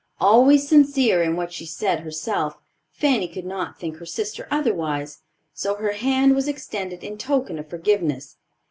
Always sincere in what she said herself, Fanny could not think her sister otherwise; so her hand was extended in token of forgiveness.